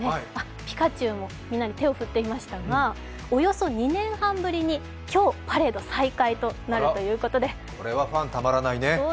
ピカチュウもみんなに手を振っていましたがおよそ２年半ぶりに今日、パレード再開となるということでこれはファンたまらないね。